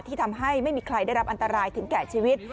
ทำให้ไม่มีใครได้รับอันตรายถึงแก่ชีวิต